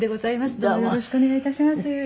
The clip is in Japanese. どうぞよろしくお願い致します。